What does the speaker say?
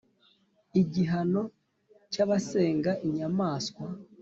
Igihano cy’abasenga inyamaswa